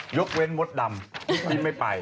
เหมือนกันยกเว้นงดดำที่กินไม่ไป